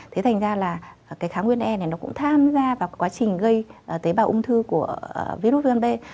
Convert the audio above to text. thế thành ra là kháng nguyên e cũng tham gia vào quá trình gây tế bào ung thư của virus viêm gan b